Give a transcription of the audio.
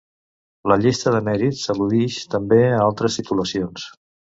La llista de mèrits al·ludix també a altres titulacions.